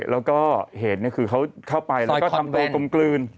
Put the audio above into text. แล้วก็เหตุคือเขาเข้าไปแล้วก็ทำตัวกลมกลืน